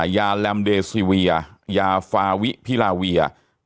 ยาลัมเดซีวียายาฟาวิพิลาวี